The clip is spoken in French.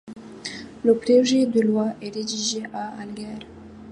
Le projet de loi est rédigé à Alger.